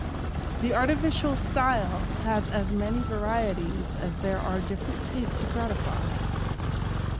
The artificial style has as many varieties as there are different tastes to gratify.